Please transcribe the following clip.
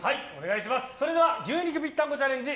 それでは牛肉ぴったんこチャレンジ